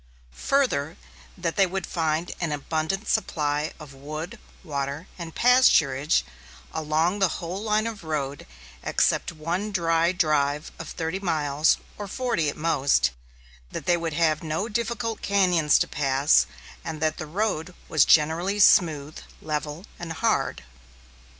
Further, that they would find "an abundant supply of wood, water, and pasturage along the whole line of road, except one dry drive of thirty miles, or forty at most; that they would have no difficult cañons to pass; and that the road was generally smooth, level, and hard."